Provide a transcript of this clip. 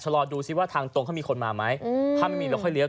รอดูซิว่าทางตรงเขามีคนมาไหมถ้าไม่มีเราค่อยเลี